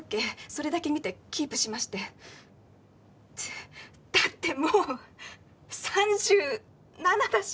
それだけ見てキープしましてだってもう３７だし